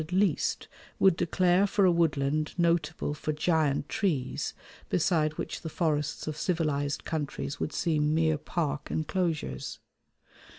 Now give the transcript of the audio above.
at least would declare for a woodland notable for giant trees beside which the forests of civilised countries would seem mere park enclosures.